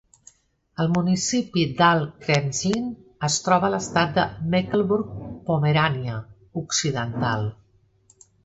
El municipi d'Alt Krenzlin es troba a l'estat de Mecklemburg-Pomerània Occidental.